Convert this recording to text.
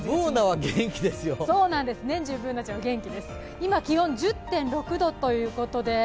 今、気温は１０．６度ということで。